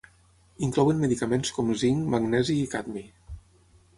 Inclouen medicaments com zinc, magnesi i cadmi.